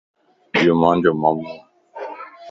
ايو مانجو مامون وَ